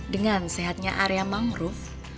dengan sehatnya area mangrove